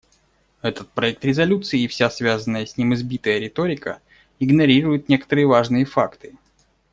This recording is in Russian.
Этот проект резолюции и вся связанная с ним избитая риторика игнорируют некоторые важные факты.